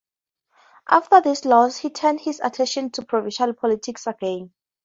After this loss, he turned his attention to provincial politics again.